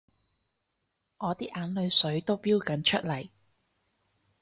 我啲眼淚水都標緊出嚟